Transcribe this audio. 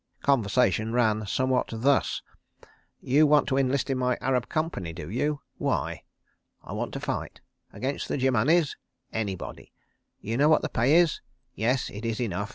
... Conversation ran somewhat thus: "'You want to enlist in my Arab Company, do you? Why?' "'I want to fight.' "'Against the Germanis?' "'Anybody.' "'You know what the pay is?' "'Yes. It is enough.